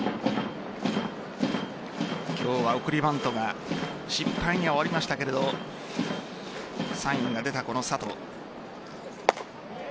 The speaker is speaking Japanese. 今日は送りバントが失敗に終わりましたがサインが出た、この佐藤。